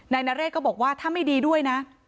นายนเรศก็บอกว่าถ้าไม่ดีด้วยนะ